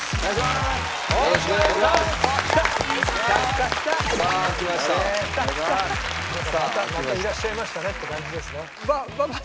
またいらっしゃいましたねって感じですね。